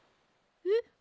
えっ？